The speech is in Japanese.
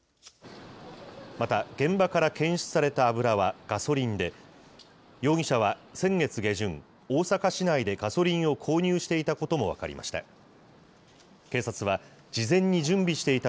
また、現場から検出された油はガソリンで、容疑者は先月下旬、大阪市内でガソリンを購入していたことも分かりました。